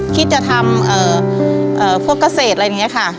คิดจะทำพวกเกษตรอะไรอย่างนี้ค่ะ